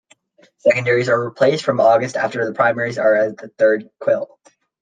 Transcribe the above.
Secondaries are replaced from August after the primaries are at the third quill.